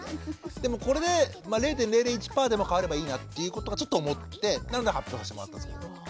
でもこれで０．００１％でも変わればいいなっていうことはちょっと思ってなので発表させてもらったんですけどね。